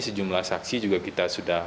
sejumlah saksi juga kita sudah